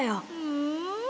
うん？